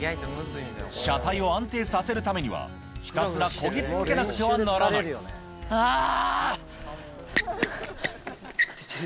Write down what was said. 車体を安定させるためには、ひたすらこぎ続けなくてはならなあー。